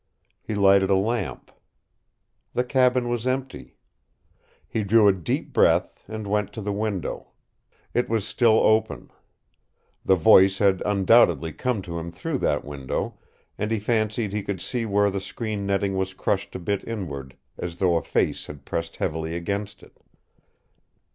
He lighted a lamp. The cabin was empty. He drew a deep breath and went to the window. It was still open. The voice had undoubtedly come to him through that window, and he fancied he could see where the screen netting was crushed a bit inward, as though a face had pressed heavily against it.